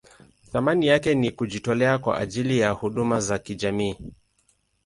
Thamani yake ni kujitolea kwa ajili ya huduma za kijamii.